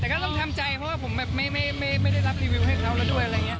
แต่ก็ต้องทำใจเพราะว่าผมแบบไม่ได้รับรีวิวให้เขาแล้วด้วยอะไรอย่างนี้